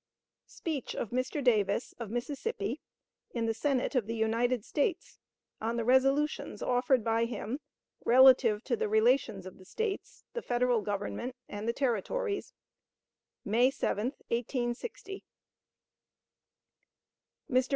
Speech of Mr. Davis, of Mississippi, in the Senate of the United States, on the resolutions offered by him relative to the relations of the States, the Federal Government, and the Territories, May 7, 1860. Mr.